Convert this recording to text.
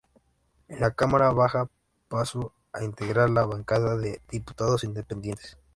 En la Cámara baja pasó a integrar la bancada de diputados independientes.